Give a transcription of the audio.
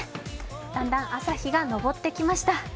だんだん朝日が昇ってきました。